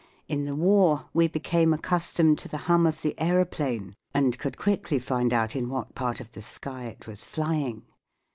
In the War we became accustomed to the hum of the aeroplane, and could quickly find out in what part of the sky it was flying.